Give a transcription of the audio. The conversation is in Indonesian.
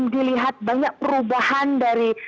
dilihat banyak perubahan dari